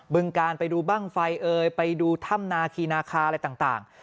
ึงการไปดูบ้างไฟเอ่ยไปดูถ้ำนาคีนาคาอะไรต่าง